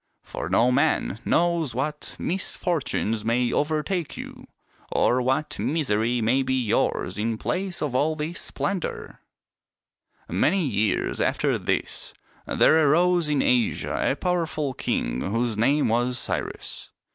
For no man knows what misfortunes may overtake you, or what misery may be yours in place of all this splendor." "AS RICH AS CRCESUS" 85 Many years after this there arose in Asia a powerful king whose name was Cyrus.